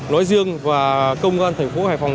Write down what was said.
nói riêng và công an thành phố hải phòng